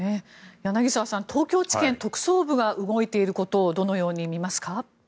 柳澤さん、東京地検特捜部が動いていることをどのように見ますか？